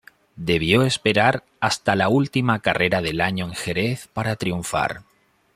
Debió esperar hasta la última carrera del año en Jerez para triunfar.